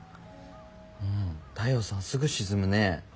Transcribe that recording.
もう太陽さんすぐ沈むね。